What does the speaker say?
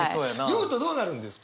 酔うとどうなるんですか？